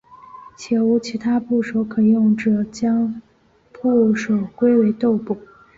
且无其他部首可用者将部首归为豆部。